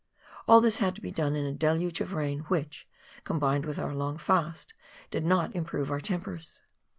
All this had to be done in a deluge of rain, which, combined with our long fast, did not improve our tempers.